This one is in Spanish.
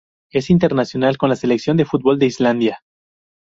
Es internacional con la selección de fútbol de Islandia.